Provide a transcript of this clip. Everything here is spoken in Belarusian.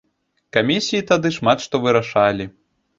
Камісіі тады шмат што вырашалі.